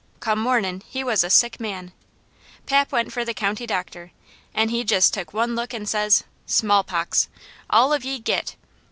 Come mornin' he was a sick man. Pap went for the county doctor, an' he took jest one look an' says: 'Small pox! All of ye git!'